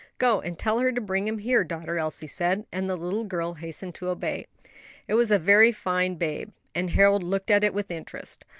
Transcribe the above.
"Go, and tell her to bring him here, daughter," Elsie said; and the little girl hastened to obey. It was a very fine babe, and Harold looked at it with interest.